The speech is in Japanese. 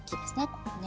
ここね。